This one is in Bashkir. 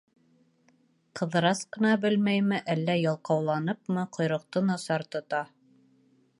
Ҡыҙырас ҡына белмәйме, әллә ялҡауланыпмы, ҡойроҡто насар тота.